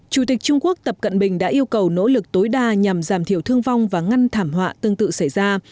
chủ tịch trung quốc tập cận bình đã yêu cầu nỗ lực tối đa nhằm giảm thiểu thương vong và ngăn thảm họa tương tự xảy ra